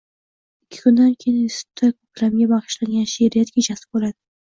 Ikki kundan keyin instititutda ko`klamga baјishlangan she`riyat kechasi bo`ladi